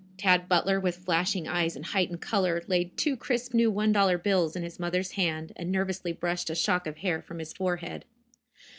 Tad Butler, with flashing eyes and heightened color, laid two crisp new one dollar bills in his mother's hand, and nervously brushed a shock of hair from his forehead.